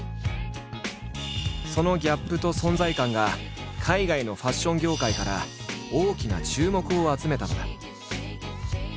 そのギャップと存在感が海外のファッション業界から大きな注目を集めたのだ。